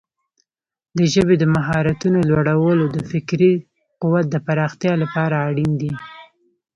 د ژبې د مهارتونو لوړول د فکري قوت د پراختیا لپاره اړین دي.